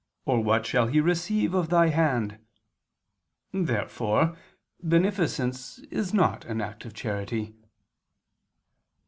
or what shall He receive of thy hand?" Therefore beneficence is not an act of charity.